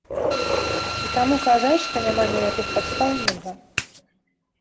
І таму казаць, што няма ніякіх падстаў, нельга.